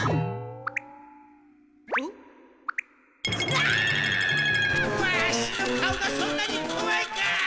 ワシの顔がそんなにこわいか！